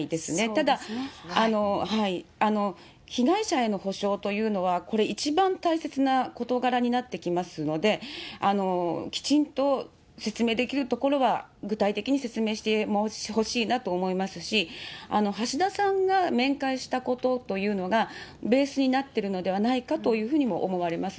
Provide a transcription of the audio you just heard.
ただ、被害者への補償というのは、これ、一番大切な事柄になってきますので、きちんと説明できるところは具体的に説明してほしいなと思いますし、橋田さんが面会したことというのが、ベースになってるのではないかというふうにも思われます。